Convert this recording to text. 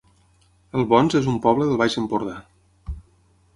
Albons es un poble del Baix Empordà